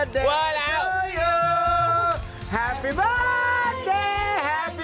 ดูรูปดูรูป